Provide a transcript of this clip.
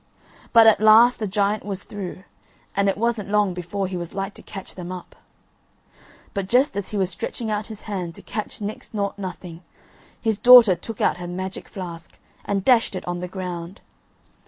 But at last the giant was through, and it wasn't long before he was like to catch them up. But just as he was stretching out his hand to catch Nix Nought Nothing his daughter took out her magic flask and dashed it on the ground.